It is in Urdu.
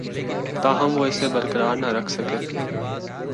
تاہم وہ اسے برقرار نہ رکھ سکے